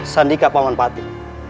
sandi kak paman pati